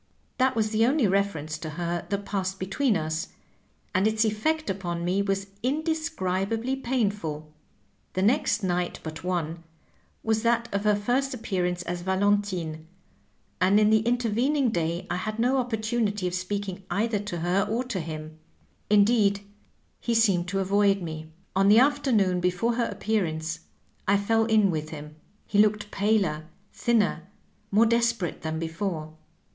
That was the only reference to her that passed between us, and its effect upon me was indescribably painful. The next night but one was that of her first appearance as Valentine, and in the intervening day I had no opportu nity of speaking either to her or to him; indeed, he Digitized by VjOOQIC THE ACTION TO THE WORD. 129 seemed to avoid me. On the afternoon before her ap pearance I fell in with him; he looked paler, thinner, more desperate than before.